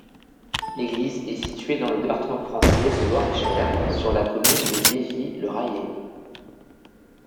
L'église est située dans le département français de Loir-et-Cher, sur la commune de Vievy-le-Rayé.